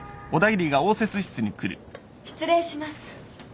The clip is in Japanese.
失礼します。